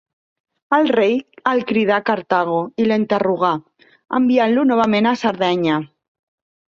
El rei el cridà a Cartago i l'interrogà, enviant-lo novament a Sardenya.